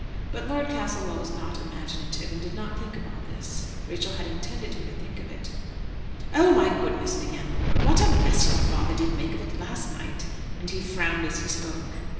But Lord Castlewell was not imaginative, and did not think of all this. Rachel had intended him to think of it. "Oh, my goodness!" began the lord, "what a mess your father did make of it last night." And he frowned as he spoke.